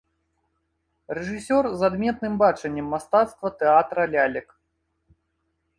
Рэжысёр з адметным бачаннем мастацтва тэатра лялек.